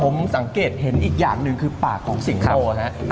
ผมสังเกตเห็นอีกอย่างหนึ่งคือปากของสิงโตนะครับ